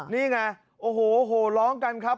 นี่ไงโอ้โหโหร้องกันครับ